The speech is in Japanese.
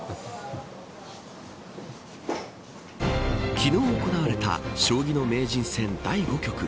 昨日行われた将棋の名人戦第５局。